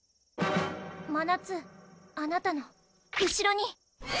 まなつあなたの後ろに！